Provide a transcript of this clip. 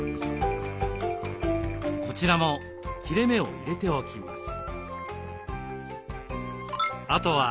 こちらも切れ目を入れておきます。